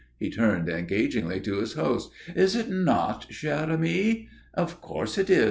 He turned engagingly to his host. "Is it not, cher ami?" "Of course it is.